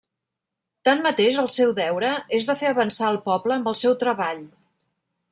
Tanmateix, el seu deure és de fer avançar el poble amb el seu treball.